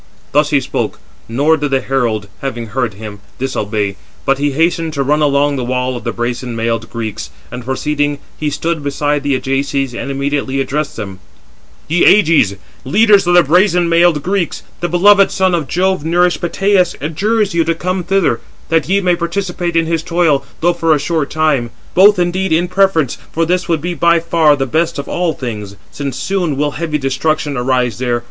Thus he spoke, nor did the herald, having heard him, disobey, but he hastened to run along the wall of the brazen mailed Greeks, and proceeding, he stood beside the Ajaces and immediately addressed them: "Ye Ajaces, leaders of the brazen mailed Greeks, the beloved son of Jove nourished Peteus adjures you to come thither, that ye may participate in his toil, though for a short time. Both indeed in preference, for this would be by far the best of all things, since soon will heavy destruction arise there.